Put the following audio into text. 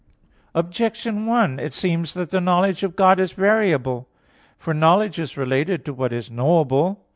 Objection 1: It seems that the knowledge of God is variable. For knowledge is related to what is knowable.